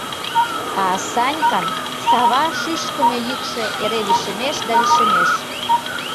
А Санькан сава шӱшкымӧ йӱкшӧ эре лишемеш да лишемеш.